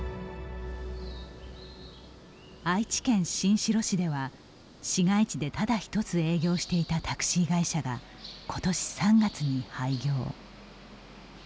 愛知県新城市では市街地でただひとつ営業していたタクシー会社がことし３月に廃業。